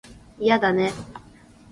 いやだね